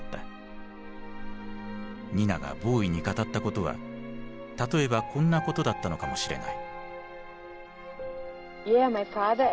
ニナがボウイに語ったことは例えばこんなことだったのかもしれない。